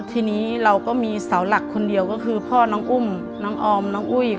ทีนี้เราก็มีเสาหลักคนเดียวก็คือพ่อน้องอุ้มน้องออมน้องอุ้ย